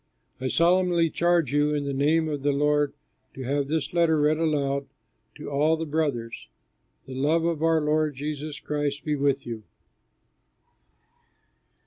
I solemnly charge you in the name of the Lord to have this letter read aloud to all the brothers. The love of our Lord Jesus Christ be with you.